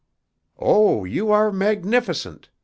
"Oh, you are magnificent!"